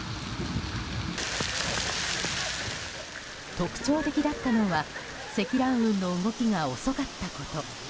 特徴的だったのは積乱雲の動きが遅かったこと。